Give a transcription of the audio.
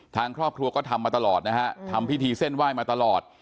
ทางครอบครัวก็ทำมาตลอดนะฮะทำพิธีเส้นไหว้มาตลอด